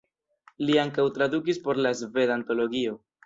Li ankaŭ tradukis por la Sveda Antologio.